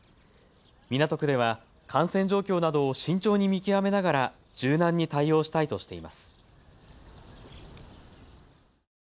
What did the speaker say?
港区では感染状況などを慎重に見極めながら柔軟に対応したいとしています。